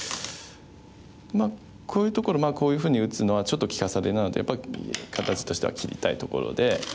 まあこういうところこういうふうに打つのはちょっと利かされなのでやっぱり形としては切りたいところで。